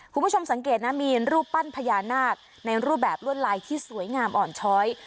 คุณผู้ชมสังเกตนะมีรูปปั้นพญานาคในรูปแบบลวดลายที่สวยงามอ่อนช้อย